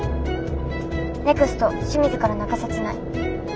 ネクスト清水から中札内。